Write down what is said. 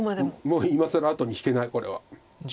もう今更後に引けないこれは。